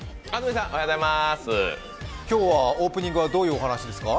今日は、オープニングはどういうお話ですか？